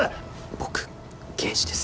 僕刑事です。